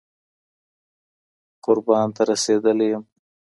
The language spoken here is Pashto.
قربان ته رسېدلى يــم